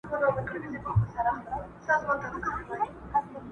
o د توري پرهار به جوړ سي، د ژبي پرهار به جوړ نه سي!